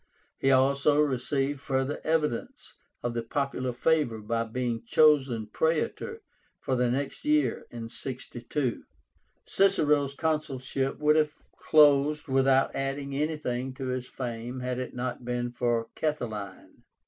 He also received further evidence of the popular favor by being chosen Praetor for the next year (62). Cicero's consulship would have closed without adding anything to his fame had it not been for Catiline.